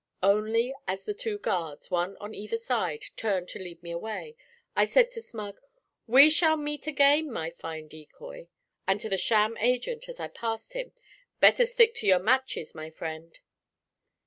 Only as the two guards, one on either side, turned to lead me away, I said to Smug, 'We shall meet again, my fine decoy;' and to the sham agent as I passed him, 'Better stick to your matches, my friend.'